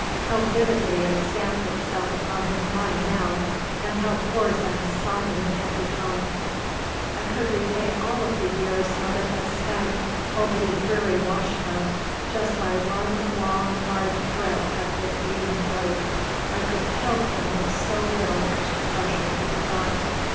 How vividly it stamped itself upon his mind now, and how coarse and sodden it had become. "I could repay all of the years mother has spent over the dreary washtub by just one long, hard grip at this lean throat. I could kill him with so little extra pressure," he thought.